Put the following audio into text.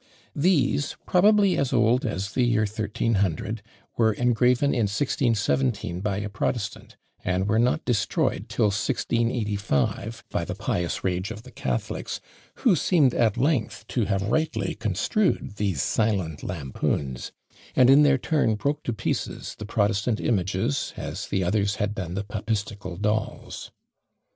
These, probably as old as the year 1300, were engraven in 1617 by a protestant; and were not destroyed till 1685, by the pious rage of the catholics, who seemed at length to have rightly construed these silent lampoons; and in their turn broke to pieces the protestant images, as the others had done the papistical dolls.